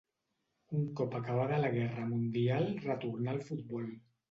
Un cop acabada la guerra mundial retornà al futbol.